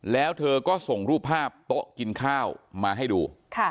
แล้วเธอก็ส่งรูปภาพโต๊ะกินข้าวมาให้ดู